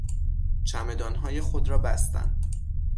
چمدانهای خود را بستن